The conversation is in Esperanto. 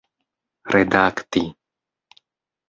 redakti